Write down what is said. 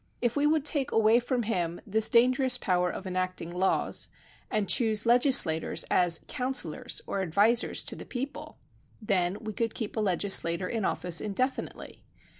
If we would take away from him this danger ous power of enacting laws, and choose legislators as counsellors or advisers to the people, then we could keep a legislator in office indefinitely.